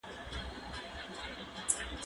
هغه څوک چي منډه وهي قوي کيږي،